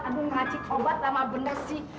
aduh ngacik obat lama bener sih